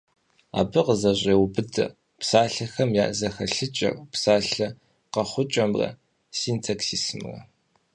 Абы къызэщӏеубыдэ псалъэхэм я зэхэлъыкӏэр, псалъэ къэхъукӏэмрэ синтаксисымрэ.